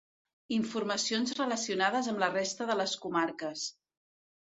Informacions relacionades amb la resta de les comarques.